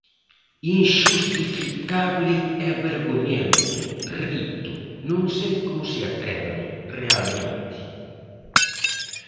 ¡Inxustificable e vergoñento!, repito, non sei como se atreven, realmente.